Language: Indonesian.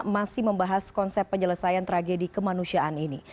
masih membahas konsep penyelesaian tragedi kemanusiaan ini